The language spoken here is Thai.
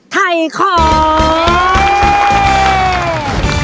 ถ่ายของ